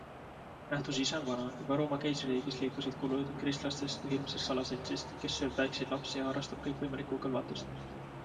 Nähtus ise on vana - juba Rooma keisririigis liikusid kuulujutud kristlastest kui hirmsast salaseltsist, kes sööb väikseid lapsi ja harrastab kõikvõimalikku kõlvatust.